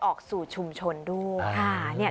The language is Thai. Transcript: ออกสู่ชุมชนด้วย